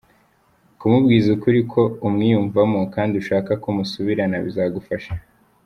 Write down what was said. Kumubwiza ukuri ko umwiyumvamo kandi ushaka ko musubirana bizagufasha.